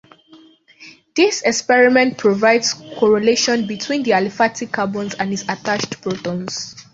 This experiment provides correlation between the aliphatic carbon and its attached protons.